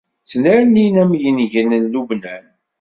Ttnernin am yingel n Lubnan.